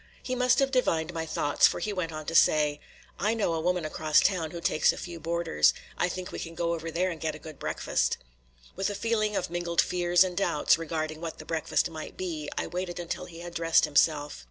He must have divined my thoughts, for he went on to say: "I know a woman across town who takes a few boarders; I think we can go over there and get a good breakfast." With a feeling of mingled fears and doubts regarding what the breakfast might be, I waited until he had dressed himself.